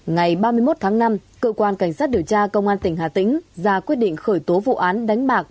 ngày ba mươi một tháng năm cơ quan cảnh sát điều tra công an tỉnh hà tĩnh ra quyết định khởi tố vụ án đánh bạc